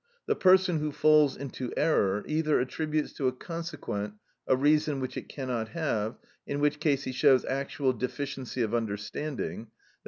The person who falls into error, either attributes to a consequent a reason which it cannot have, in which case he shows actual deficiency of understanding, _i.